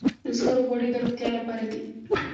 د زغرو غوړي د روغتیا لپاره دي.